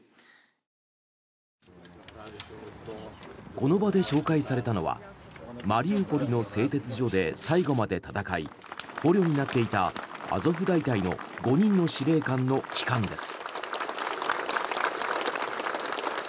この場で紹介されたのはマリウポリの製鉄所で最後まで戦い捕虜になっていたアゾフ大隊の５人の司令官の帰還です。